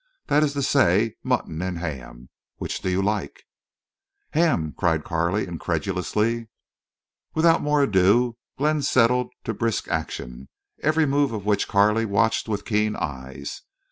That is to say, mutton and ham. Which do you like?" "Ham!" cried Carley, incredulously. Without more ado Glenn settled to brisk action, every move of which Carley watched with keen eyes.